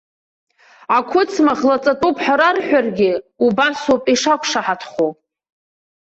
Ақәыцмаӷ лаҵатәуп ҳәа рарҳәаргьы, убасоуп ишақәшаҳаҭхо.